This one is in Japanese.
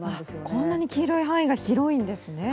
こんなに黄色い範囲が広いんですね！